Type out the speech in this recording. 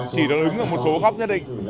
chỉ được ứng ở một số góc nhất định